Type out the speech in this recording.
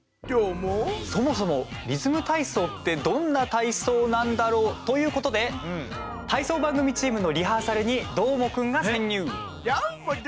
そもそもリズム体操ってどんな体操なんだろうということで体操番組チームのリハーサルにどーも、どーも！